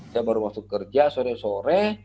saya baru masuk kerja sore sore